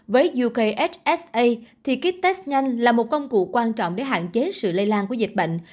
với yokssa thì kit test nhanh là một công cụ quan trọng để hạn chế sự lây lan của dịch bệnh